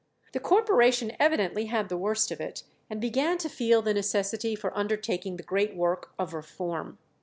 The corporation evidently had the worst of it, and began to feel the necessity for undertaking the great work of reform.